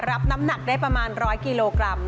รับน้ำหนักได้ประมาณ๑๐๐กิโลกรัม